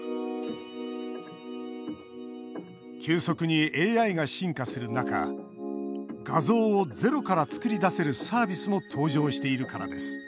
急速にＡＩが進化する中、画像をゼロから作り出せるサービスも登場しているからです。